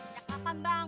injak kapan bang